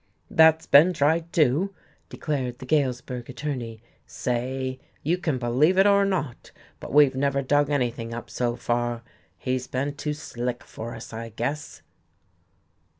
"That's been tried, too," declared the Galesburg attorney. "Say, you can believe it or not, but we've never dug anything up so far. He's been too slick for us, I guess."